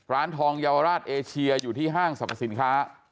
ร้านทองเยาวราชเอเชียอยู่ที่ห้างสรรพสินค้า